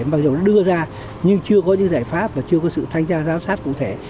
mặc dù đưa ra nhưng chưa có những giải pháp và chưa có sự thanh tra giám sát cụ thể